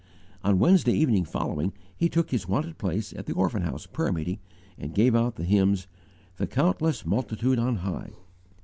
On Wednesday evening following, he took his wonted place at the Orphan House prayer meeting and gave out the hymns: "The countless multitude on high."